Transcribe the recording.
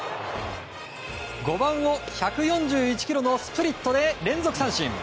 ５番を１４１キロのスプリットで連続三振！